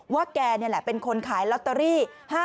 ว่าแกเนี่ยแหละเป็นคนขายลอตเตอรี่๕๓๓๗๒๖